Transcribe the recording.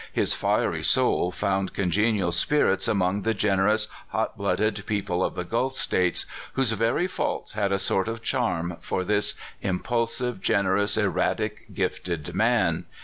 His fiery soul found congenial spirits among the generous, hot blooded people of the Gulf States, whose very faults had a sort of charm for this impulsive, generous, erratic, gifted, man.